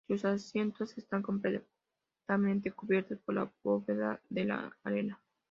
Sus asientos están completamente cubiertos por la bóveda de la arena.